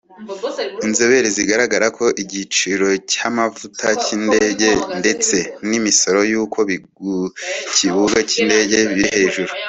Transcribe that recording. Inzobere zigaragaza ko igiciro cy’amavuta y’indege ndetse n’ imisoro yo ku kibuga cy’indege biri hejuru